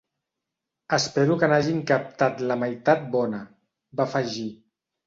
Espero que n'hagin captat la meitat bona —va afegir.